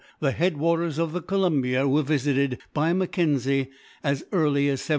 The head waters of the Columbia were visited by Mackenzie as early as 1793.